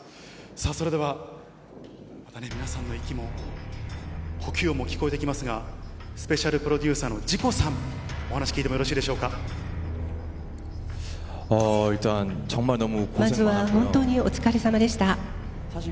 さあ、それではまたね、皆さんの息も、呼吸音も聞こえてきますが、スペシャルプロデューサーのＺＩＣＯさん、お話聞いてもよろしいまずは本当にお疲れさまでした。